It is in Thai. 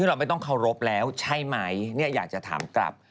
โบรุมเคารพแล้วใช่มั้ยอยากจะถามกลับ